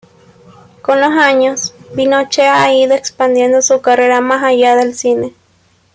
Con los años, Binoche ha ido expandiendo su carrera más allá del cine.